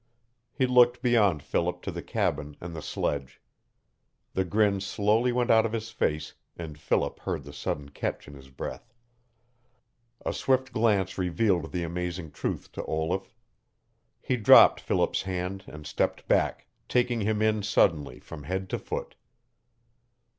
He looked beyond Philip to the cabin and the sledge. The grin slowly went out of his face, and Philip heard the sudden catch in his breath. A swift glance revealed the amazing truth to Olaf. He dropped Philip's hand and stepped back, taking him in suddenly from head to foot.